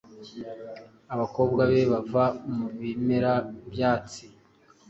abakobwa be bava mu bimera byatsi